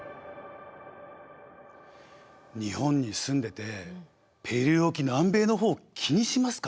日本に住んでてペルー沖南米のほう気にしますか？